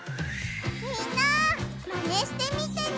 みんなマネしてみてね！